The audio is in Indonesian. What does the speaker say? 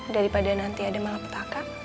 daripada nanti ada malapetaka